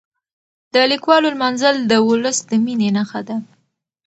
د لیکوالو لمانځل د ولس د مینې نښه ده.